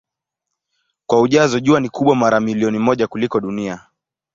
Kwa ujazo Jua ni kubwa mara milioni moja kuliko Dunia.